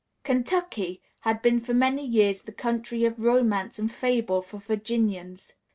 Kentucky had been for many years the country of romance and fable for Virginians.